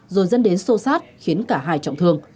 rồi dân đến xô xát khiến cả hai trọng thương